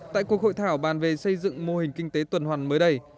tại cuộc hội thảo bàn về xây dựng mô hình kinh tế tuần hoàn mới đây